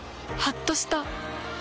はっとした。